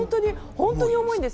本当に重たいんです。